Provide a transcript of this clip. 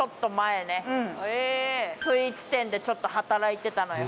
スイーツ店でちょっと働いてたのよ